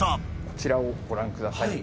こちらをご覧ください。